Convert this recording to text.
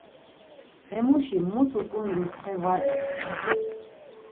Hemuşi mutu k̆undiz xe var isven.